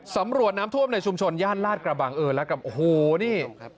สำรวจน้ำท่วมในชุมชนย่านลาดกระบังโอ้โหนี่